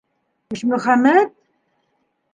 Ишмөхәмәт?!